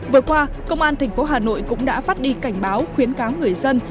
vừa qua công an tp hà nội cũng đã phát đi cảnh báo khuyến cáo người dân